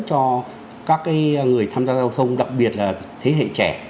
cho các người tham gia giao thông đặc biệt là thế hệ trẻ